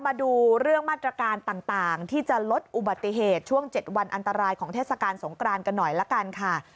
มาดูเรื่องมาตรการต่างที่จะลดอุบัติเหตุช่วง๗วันอันตรายของเทศกาลสงกรานกันหน่อยละกันค่ะ